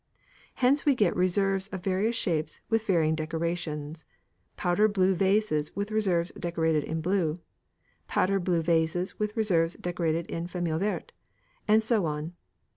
Hence we get reserves of various shapes with varying decorations powder blue vases with reserves decorated in blue; powder blue vases with reserves decorated in "famille verte," and so on.